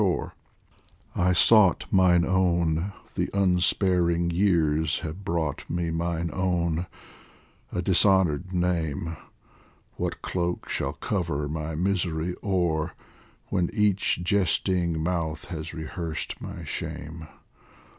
67 POEMS FROM THE I sought mine own ; the unsparing years Have brought me mine own, a dishonoured name. What cloak shall cover my misery o'er When each jesting mouth has rehearsed my shame